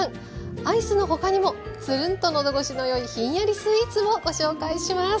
アイスの他にもツルンと喉越しの良いひんやりスイーツもご紹介します。